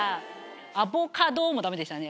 アボカドもダメでしたね。